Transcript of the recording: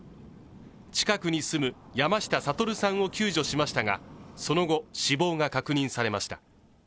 近くに住む山下悟さんを救助しましたが、その後、死亡が確認されました。